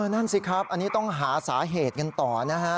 นั่นสิครับอันนี้ต้องหาสาเหตุกันต่อนะฮะ